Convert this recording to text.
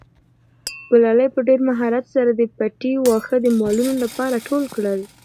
ګلالۍ په ډېر مهارت سره د پټي واښه د مالونو لپاره ټول کړل.